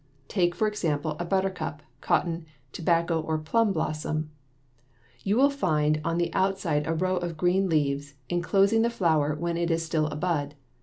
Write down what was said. Take, for example, a buttercup, cotton, tobacco, or plum blossom (see Figs. 31 and 32). You will find on the outside a row of green leaves inclosing the flower when it is still a bud.